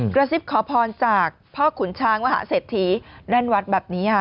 กระซิบขอพรจากพ่อขุนช้างมหาเศรษฐีแน่นวัดแบบนี้ค่ะ